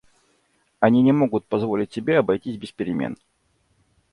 Они не могут позволить себе обойтись без перемен.